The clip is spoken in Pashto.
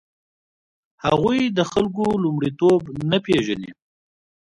هغوی د خلکو لومړیتوب نه پېژني.